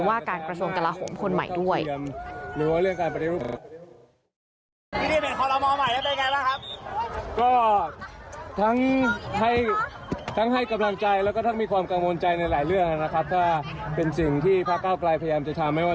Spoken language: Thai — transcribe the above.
ว่าการประสงค์กระหลาหมคนใหม่ด้วย